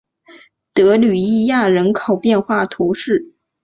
德吕伊亚人口变化图示